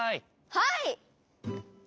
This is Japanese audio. はい！